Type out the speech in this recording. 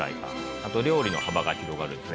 あと料理の幅が広がるですね